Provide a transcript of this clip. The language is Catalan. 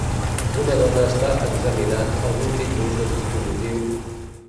Una dona està examinat algun tipus de dispositiu.